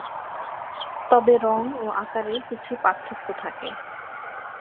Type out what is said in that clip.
তবে রং ও আকারে কিছু পার্থক্য থাকে।